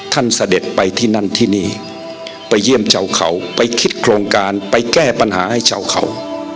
เสด็จไปที่นั่นที่นี่ไปเยี่ยมชาวเขาไปคิดโครงการไปแก้ปัญหาให้ชาวเขา